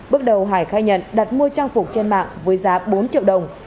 bước đầu hải khai nhận đặt mua trang phục trên mạng với giá bốn triệu đồng